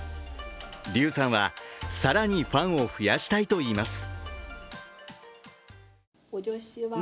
劉さんは、更にファンを増やしたいといいます。